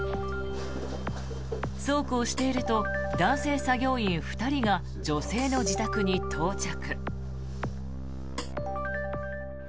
そうこうしていると男性作業員２人が女性の自宅に到着。